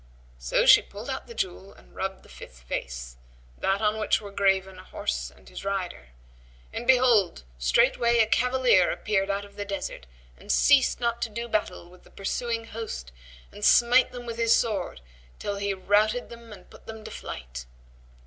So she pulled out the jewel and rubbed the fifth face, that on which were graven a horse and his rider, and behold, straightway a cavalier appeared out of the desert and ceased not to do battle with the pursuing host and smite them with the sword, till he routed them and put them to flight.